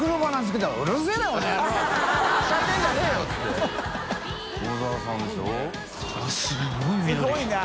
すごいな。